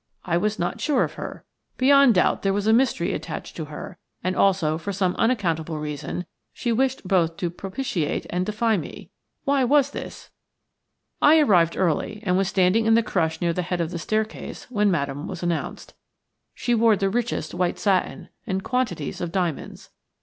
I was not sure of her. Beyond doubt there was a mystery attached to her, and also, for some unaccountable reason, she wished both to propitiate and defy me. Why was this? I arrived early, and was standing in the crush near the head of the staircase when Madame was announced. She wore the richest white satin and quantities of diamonds.